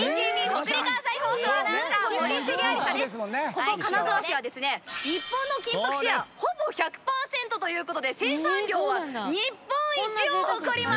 ここ金沢市はですね日本の金箔シェアほぼ１００パーセントという事で生産量は日本一を誇ります！